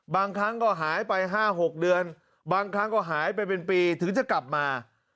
บางครั้งก็หายไป๕๖เดือนบางครั้งก็หายไปเป็นปีถึงจะกลับมา